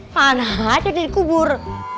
mana ada dari kubur